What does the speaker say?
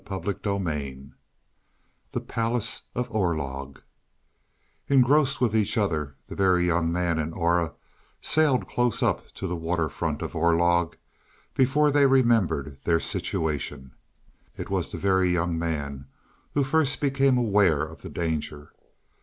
CHAPTER XXXI THE PALACE OF ORLOG Engrossed with each other the Very Young Man and Aura sailed close up to the water front of Orlog before they remembered their situation. It was the Very Young Man who first became aware of the danger.